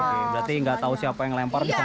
oke berarti nggak tahu siapa yang lempar di sana